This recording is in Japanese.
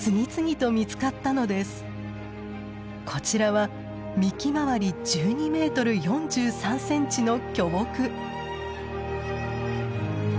こちらは幹回り１２メートル４３センチの巨木。